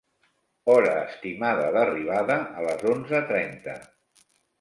Hora estimada d'arribada a les onze trenta.